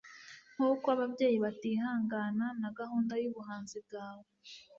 nkuko ababyeyi batihangana na gahunda yubuhanzi bwawe